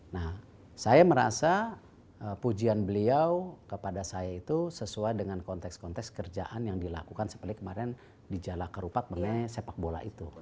nah saya merasa pujian beliau kepada saya itu sesuai dengan konteks konteks kerjaan yang dilakukan seperti kemarin di jalak kerupat mengenai sepak bola itu